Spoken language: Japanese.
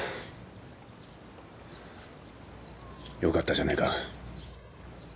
よかったじゃねえか。